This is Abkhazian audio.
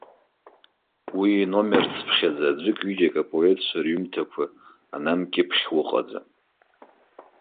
Уи номерцыԥхьаӡа аӡәык-ҩыџьак апоетцәа рҩымҭақәа анамкьыԥхьуа ыҟаӡам.